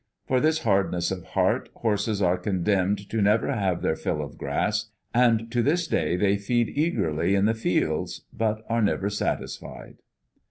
For this hardness of heart horses are condemned to never have their fill of grass, and to this day they feed eagerly in the fields, but are never satisfied.